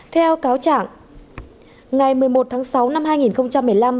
theo cáo trạng ngày một mươi một tháng sáu năm hai nghìn một mươi năm